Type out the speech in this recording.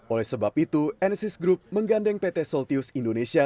oleh sebab itu enosis group menggandeng pt solthews indonesia